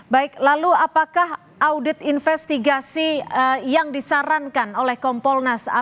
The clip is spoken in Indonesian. baik lalu apakah audit investigasi yang disarankan oleh kompolnas